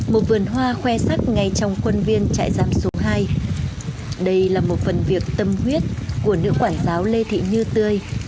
một vườn hoa khoe sắc ngay trong khuôn viên trại giam số hai đây là một phần việc tâm huyết của nữ quản giáo lê thị như tươi